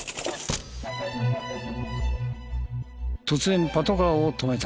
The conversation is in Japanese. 突然パトカーを止めた。